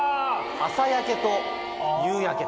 朝焼けと夕焼け。